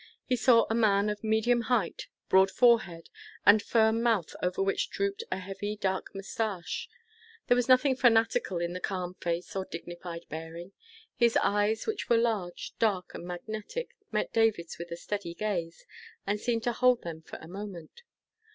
He saw a man of medium height, broad forehead, and firm mouth over which drooped a heavy, dark mustache. There was nothing fanatical in the calm face or dignified bearing. His eyes, which were large, dark, and magnetic, met David's with a steady gaze, and seemed to hold them for a moment.